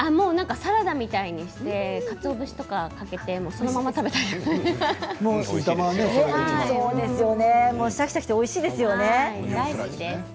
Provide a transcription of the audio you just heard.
サラダみたいにしてかつお節とかかけてそのまま食べたりしています。